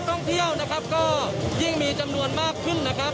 ท่องเที่ยวนะครับก็ยิ่งมีจำนวนมากขึ้นนะครับ